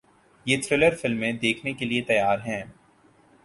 یہ تھرلر فلمیں دیکھنے کے لیے تیار ہیں